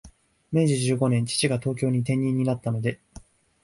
明治十五年、父が東京に転任になったので、